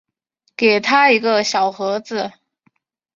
给他一个小盒子